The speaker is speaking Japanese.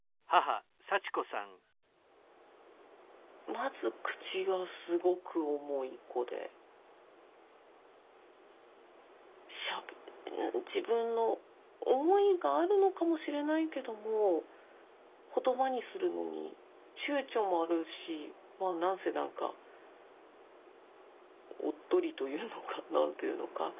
まず口がすごく重い子で自分の思いがあるのかもしれないけども言葉にするのにちゅうちょもあるし何せ何かおっとりというのか何というのか。